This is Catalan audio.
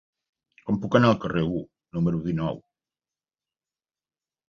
Com puc anar al carrer U número dinou?